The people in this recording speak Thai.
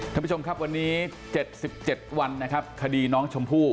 ท่านผู้ชมครับวันนี้เจ็ดสิบเจ็ดวันนะครับคดีน้องชมพู่